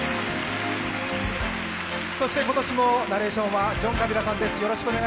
今年もナレーションはジョン・カビラさんです。